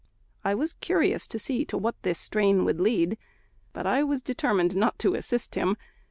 I was curious to see to what this strain would lead; but I was determined not to assist him.